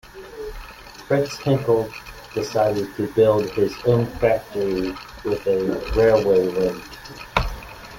Fritz Henkel decided to build his own factory with a railway link.